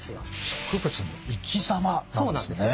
植物の生き様なんですね。